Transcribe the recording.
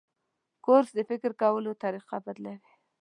کورس د فکر کولو طریقه بدلوي.